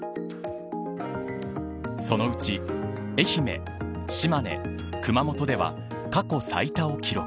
そのうち愛媛、島根熊本では、過去最多を記録。